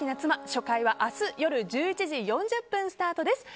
初回は明日夜１１時４０分スタートです。